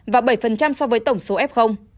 và bảy so với tổng số f